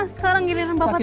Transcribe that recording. sekarang giliran bapak